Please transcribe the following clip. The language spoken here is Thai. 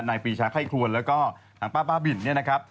ปีชาไข้ครวนแล้วก็ทางป้าบ้าบินเนี่ยนะครับ